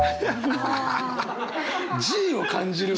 Ｇを感じる文！？